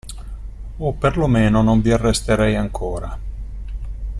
O, per lo meno, non vi arresterei ancora.